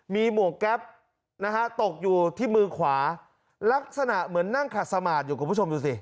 มีหมวกแก๊ปนะฮะตกอยู่ที่มือขวาลักษณะเหมือนนั่งขัดสมาร์ทอยู่คุณผู้ชมดูสิ